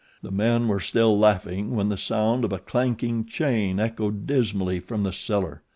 The men were still laughing when the sound of a clanking chain echoed dismally from the cellar.